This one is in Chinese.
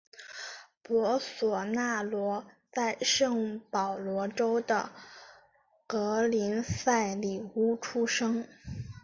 博索纳罗在圣保罗州的格利塞里乌出生。